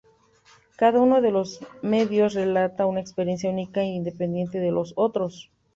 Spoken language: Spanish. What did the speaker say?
Cada uno de los medios relata una experiencia única e independiente de los otros.